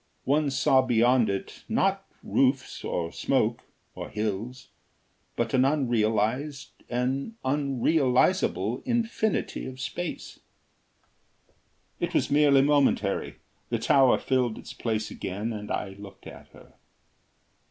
One saw beyond it, not roofs, or smoke, or hills, but an unrealised, an unrealisable infinity of space. It was merely momentary. The tower filled its place again and I looked at her.